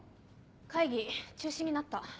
会議中止になった。